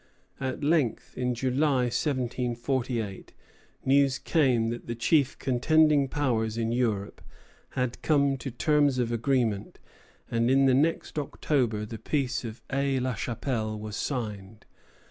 At length, in July, 1748, news came that the chief contending powers in Europe had come to terms of agreement, and in the next October the Peace of Aix la Chapelle was signed.